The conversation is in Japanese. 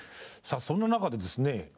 さあそんな中でですね